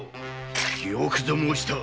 よくぞ申した。